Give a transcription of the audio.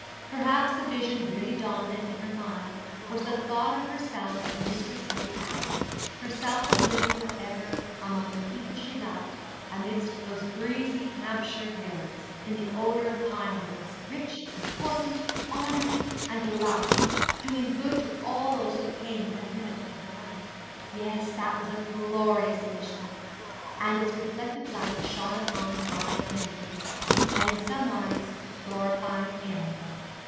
Perhaps the vision really dominant in her mind was the thought of herself as mistress of the Abbey, herself as living for ever among the people she loved, amidst those breezy Hampshire hills, in the odour of pine woods rich, important, honoured, and beloved, doing good to all who came within the limit of her life. Yes, that was a glorious vision, and its reflected light shone upon Brian Wendover, and in somewise glorified him.